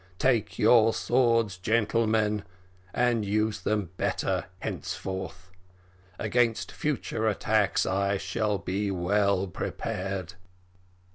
Take your swords, gentlemen, and use them better henceforth. Against future attacks I shall be well prepared."